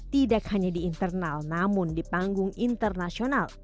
tidak hanya di internal namun di panggung internasional